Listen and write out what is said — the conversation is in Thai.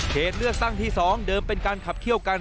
เหตุเลือกตั้งที่๒เดิมเป็นการขับเขี้ยวกัน